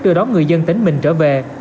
đưa đón người dân tỉnh mình trở về